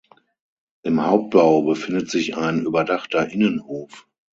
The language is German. Im Hauptbau befindet sich ein überdachter Innenhof.